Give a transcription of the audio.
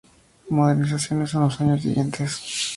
Modernizaciones en los años siguientes.